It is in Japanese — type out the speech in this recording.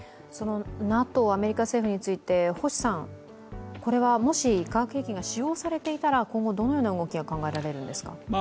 ＮＡＴＯ、アメリカ政府についてもし化学兵器が使用されていたら、今後どのような動きが考えられますか？